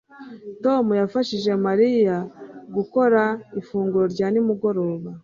Tom yafashije Mariya gukora ifunguro rya nimugoroba